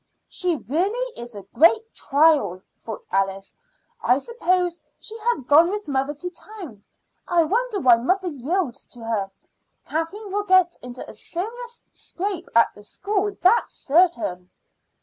"She really is a great trial," thought Alice. "I suppose she has gone with mother to town. I wonder mother yields to her. Kathleen will get into a serious scrape at the school, that's certain."